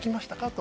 と。